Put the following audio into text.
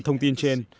thông tin trên